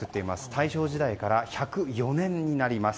大正時代から１０４年になります。